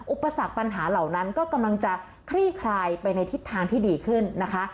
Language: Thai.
อุปสรรคปัญหาเหล่านั้นก็กำลังจะคลี่คลายไปในทิศทางที่ดีขึ้นนะคะ